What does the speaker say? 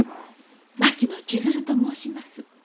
槙野千鶴と申します。